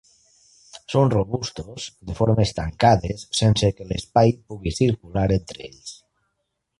Són robustos, de formes tancades sense que l'espai pugui circular entre ells.